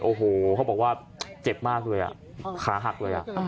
โอ้โหเขาบอกว่าเจ็บมากเลยขาหักเลย